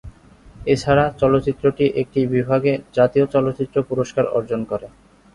এছাড়া চলচ্চিত্রটি একটি বিভাগে জাতীয় চলচ্চিত্র পুরস্কার অর্জন করে।